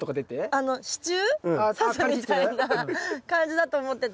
あの支柱さすみたいな感じだと思ってたんで。